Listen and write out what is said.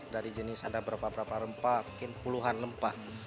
dari jenis ada berapa berapa rempah mungkin puluhan rempah